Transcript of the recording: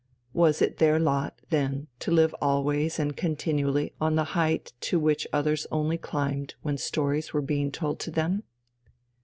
Was it their lot, then, to live always and continually on the height to which others only climbed when stories were being told to them?